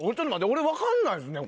俺、分かんないですね。